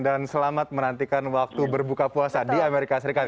dan selamat menantikan waktu berbuka puasa di amerika serikat